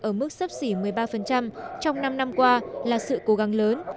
ở mức sấp xỉ một mươi ba trong năm năm qua là sự cố gắng lớn